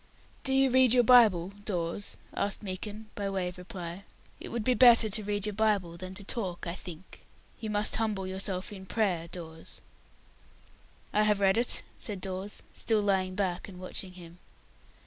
"Do you read your Bible, Dawes?" asked Meekin, by way of reply. "It would be better to read your Bible than to talk, I think. You must humble yourself in prayer, Dawes." "I have read it," said Dawes, still lying back and watching him.